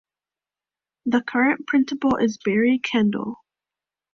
The current principal is Barry Kendall.